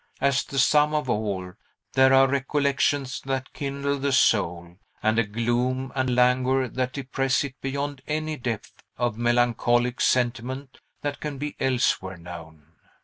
As the sum of all, there are recollections that kindle the soul, and a gloom and languor that depress it beyond any depth of melancholic sentiment that can be elsewhere known.